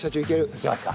いけますか？